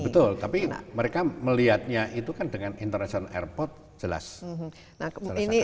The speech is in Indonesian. betul tapi mereka melihatnya itu kan dengan international airport jelas